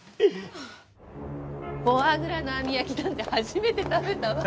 フォアグラの網焼きなんて初めて食べたわ。